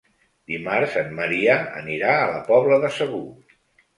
Dimarts en Maria anirà a la Pobla de Segur.